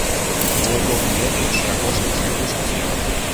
Бо кожны ведае, чыя кошка чыю мышку з'ела.